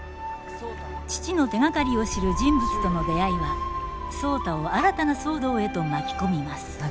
父の手がかりを知る人物との出会いは壮多を新たな騒動へと巻き込みます。